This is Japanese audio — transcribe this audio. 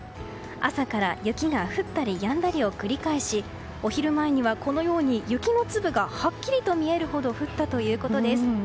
朝から雪が降ったりやんだりを繰り返しお昼前にはこのように雪の粒がはっきりと見えるほど降ったということです。